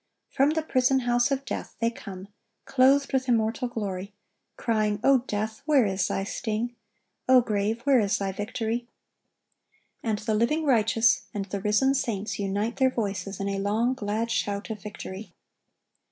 From the prison house of death they come, clothed with immortal glory, crying, "O death, where is thy sting? O grave, where is thy victory?"(1116) And the living righteous and the risen saints unite their voices in a long, glad shout of victory.